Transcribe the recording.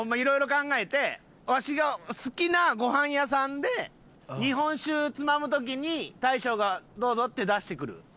色々考えてわしが好きなご飯屋さんで日本酒つまむ時に大将がどうぞって出してくる。